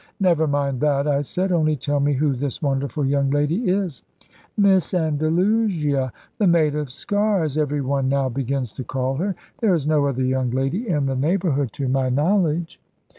"Never mind that," I said; "only tell me who this wonderful young lady is." "Miss Andalusia, the 'Maid of Sker,' as every one now begins to call her. There is no other young lady in the neighbourhood to my knowledge."